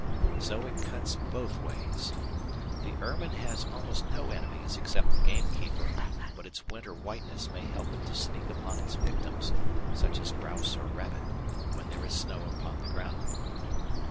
So it cuts both ways. The ermine has almost no enemies except the gamekeeper, but its winter whiteness may help it to sneak upon its victims, such as grouse or rabbit, when there is snow upon the ground.